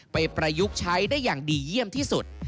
ประยุกต์ใช้ได้อย่างดีเยี่ยมที่สุด